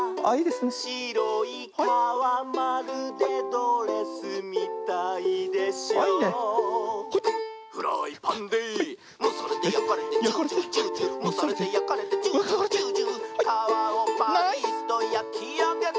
「しろいかわまるでドレスみたいでしょ」「フライパンでむされてやかれてジュージュージュージュー」「むされてやかれてジュージュージュージュー」「かわをパリッとやきあげて」